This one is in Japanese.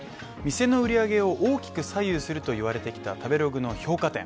店の売り上げを大きく左右するとされてきた食べログの評価点。